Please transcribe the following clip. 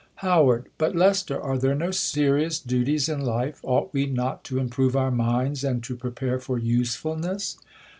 How* But, Lester, are there no serious duties in life ? Ought we not to improve our minds, and to pre pare for usefulness